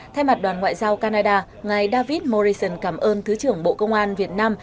thay mặt đoàn ngoại giao canada ngài david morrison cảm ơn thứ trưởng bộ công an việt nam